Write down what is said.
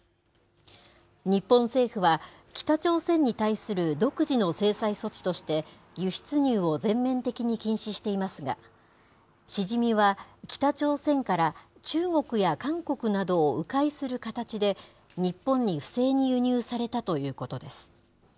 日本政府は、北朝鮮に対する独自の制裁措置として、輸出入を全面的に禁止していますが、シジミは北朝鮮から中国や韓国などをう回する形で、日本に不正に輸入されたということです。